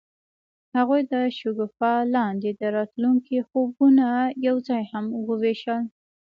هغوی د شګوفه لاندې د راتلونکي خوبونه یوځای هم وویشل.